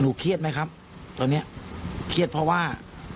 เครียดไหมครับตอนนี้เครียดเพราะว่า